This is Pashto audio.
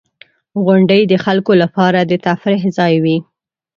• غونډۍ د خلکو لپاره د تفریح ځای وي.